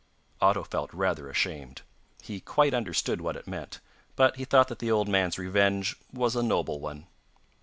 Otto felt rather ashamed: he quite understood what it meant, but he thought that the old man's revenge was a noble one.